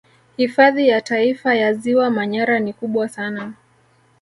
Hifadhi ya Taifa ya ziwa Manyara ni kubwa sana